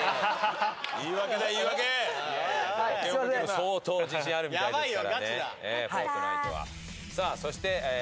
相当自信あるみたいですからね。